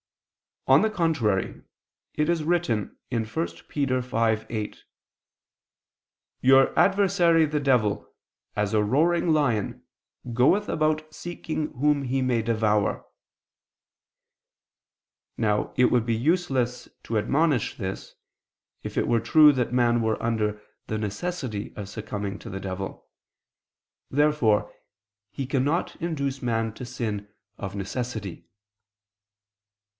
On the contrary, It is written (1 Pet. 5:8): "Your adversary the devil, as a roaring lion, goeth about seeking whom he may devour." Now it would be useless to admonish thus, if it were true that man were under the necessity of succumbing to the devil. Therefore he cannot induce man to sin of necessity.